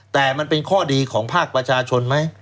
แต่มันเป็นข้อดีของภาคประชาชนไหม